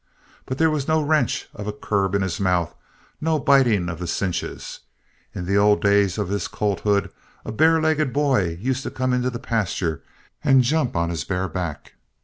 But there was no wrench of a curb in his mouth, no biting of the cinches. In the old days of his colthood, a barelegged boy used to come into the pasture and jump on his bare back.